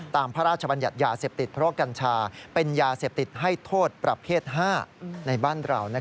พระราชบัญญัติยาเสพติดเพราะกัญชาเป็นยาเสพติดให้โทษประเภท๕ในบ้านเรา